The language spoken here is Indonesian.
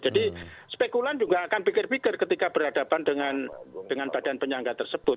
jadi spekulan juga akan pikir pikir ketika berhadapan dengan badan penyangga tersebut